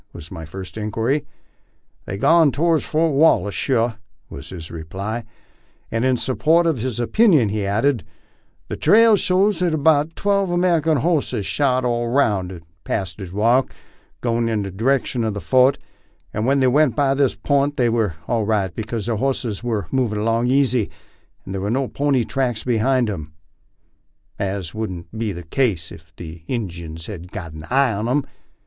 " was my first inquiry. " They've gone toward Fort Wallace, sure," was the reply; and in support of this opinion he added, "The trail shows that twelve American horses, shod all round, have passed at a walk, goin' in the direction of the fort ; and when they went by this p'int they were all right, because their horses were movin' along easy, and there are no pony tracks behind 'era, as wouldn't be the case ef the Injuns had got an eye on 'em."